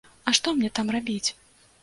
А што мне там рабіць?